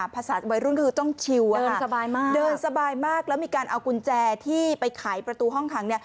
ภาษาวัยรุ่นคือต้องชิวสบายมากเดินสบายมากแล้วมีการเอากุญแจที่ไปไขประตูห้องขัง